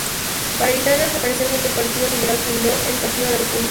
Para evitar desaparecer junto al Partido Liberal fundó el Partido de la República.